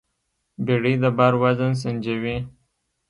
بیړۍ د بار وزن سنجوي.